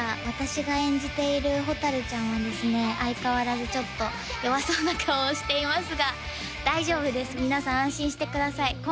私が演じている蛍ちゃんはですね相変わらずちょっと弱そうな顔をしていますが大丈夫です皆さん安心してください